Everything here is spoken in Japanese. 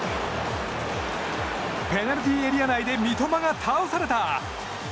ペナルティーエリア内で三笘が倒された。